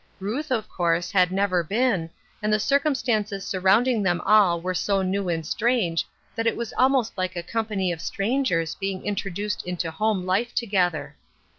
Ruth, of course, had never been, and the circumstances surrounding them all were so new and strange that it was almost like a company of strangers being intro duced into home life together.